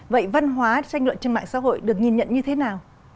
vậy văn hóa tranh luận trên mạng xã hội được nhìn nhận như thế nào